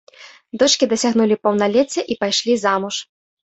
Дочкі дасягнулі паўналецця і пайшлі замуж.